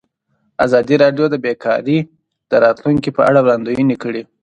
ازادي راډیو د بیکاري د راتلونکې په اړه وړاندوینې کړې.